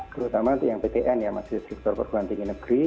terutama yang ptn ya mahasiswa perguruan tinggi negeri